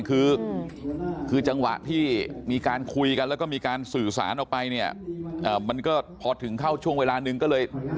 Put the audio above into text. คือคือจังหวะที่มีการคุยกันแล้วก็มีการสื่อสารออกไปเนี่ยมันก็พอถึงเข้าช่วงเวลาหนึ่งก็เลย